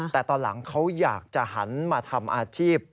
แต่ตอนหลังเขาอยากจะหันมาทำอาชีพ